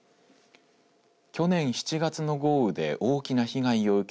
去年７月の豪雨で大きな被害を受け